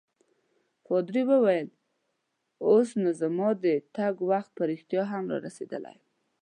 پادري وویل: اوس نو زما د تګ وخت په رښتیا هم رارسیدلی.